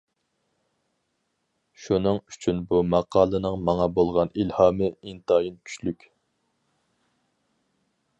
شۇنىڭ ئۈچۈن بۇ ماقالىنىڭ ماڭا بولغان ئىلھامى ئىنتايىن كۈچلۈك.